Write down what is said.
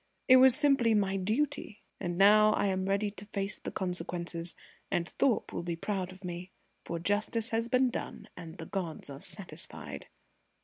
"It was simply my duty! And now I am ready to face the consequences, and Thorpe will be proud of me. For justice has been done and the gods are satisfied."